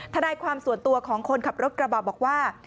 ทนายความส่วนตัวของคนขับรถกระบะบอกว่า